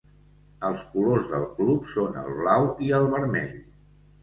Els colors del club són el blau i el vermell.